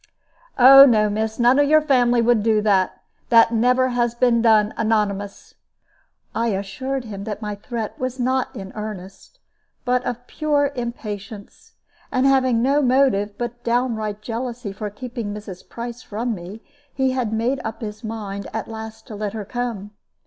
"Oh no, miss, none of your family would do that; that never has been done anonymous." I assured him that my threat was not in earnest, but of pure impatience. And having no motive but downright jealousy for keeping Mrs. Price from me, he made up his mind at last to let her come.